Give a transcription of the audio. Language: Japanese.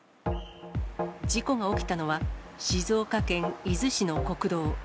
事故が起きたのは、静岡県伊豆市の国道。